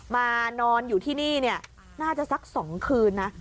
มานอนอยู่ที่นี่น่าจะสัก๒คืนนะ